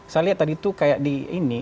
saya lihat tadi tuh kayak di ini